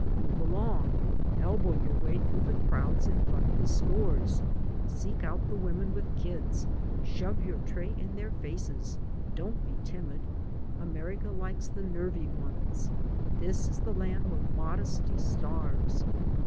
Move along; elbow your way through the crowds in front of the stores, seek out the women with kids; shove yoxu* tray into their ' faces. Don't be timid. America likes the nervy ones. \\ This is the land where modesty starves.